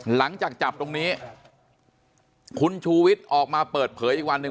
หลังจากจับตรงนี้คุณชูวิทย์ออกมาเปิดเผยอีกวันหนึ่ง